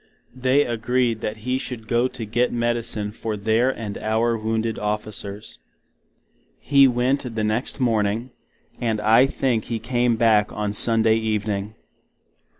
They agreed that he should go to git medicine for their and our Wounded officers. He went the next morning; and I think he came back on Sunday evening.